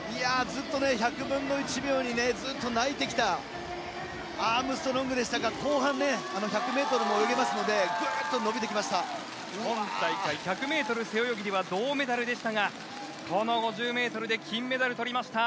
１００分の１秒にずっと泣いてきたアームストロングでしたが後半、１００ｍも泳げますので今大会１００ｍ背泳ぎは銅メダルでしたが、この５０ｍで金メダルを取りました。